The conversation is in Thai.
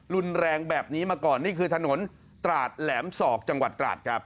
รุนแรงแบบนี้มาก่อนนี่คือถนนตราดแหลมศอกจังหวัดตราดครับ